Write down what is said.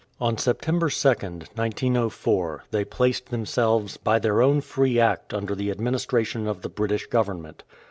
On September 2nd, 1904, they placed themselves by their own free act under the administration of the British Govern ment.